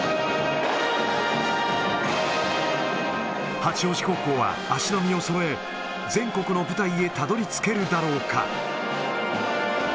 八王子高校は足並みをそろえ、全国の舞台へたどりつけるだろうか。